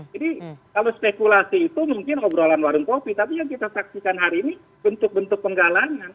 jadi kalau spekulasi itu mungkin obrolan warung kopi tapi yang kita saksikan hari ini bentuk bentuk penggalangan